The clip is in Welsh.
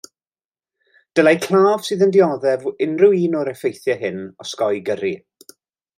Dylai claf sydd yn dioddef o unrhyw un o'r effeithiau hyn osgoi gyrru.